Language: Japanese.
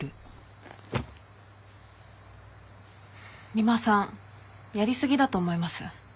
三馬さんやりすぎだと思います。